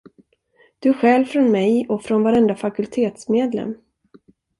Du stjäl från mig, och från varenda fakultetsmedlem.